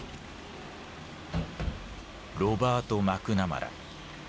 ロバート・マクナマラ。